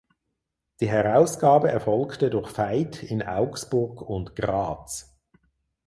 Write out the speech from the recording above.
Die Herausgabe erfolgte durch Veith in Augsburg und Graz.